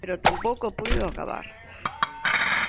Pero tampouco puido acabar.